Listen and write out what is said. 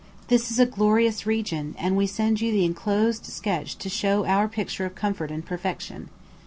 This is a glorious region, and we send you the enclosed sketch to show our picture of comfort and perfection.